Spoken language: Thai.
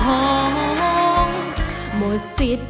เพลงแรกของเจ้าเอ๋ง